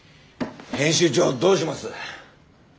編集長どうします？